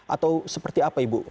atau seperti apa